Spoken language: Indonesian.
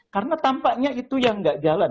karena tampaknya itu yang gak jalan